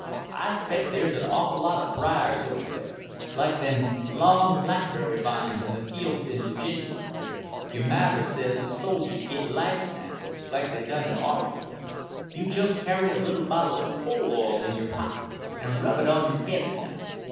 I 'spect there's an awful lot of briars over there, like them long blackberry vines in the fields in Virginia. Your madder says the soldiers git lice now, like they done in our war. You jist carry a little bottle of coal oil in your pocket an' rub it on your head at night.